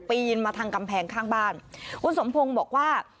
มาทางกำแพงข้างบ้านคุณสมพงศ์บอกว่า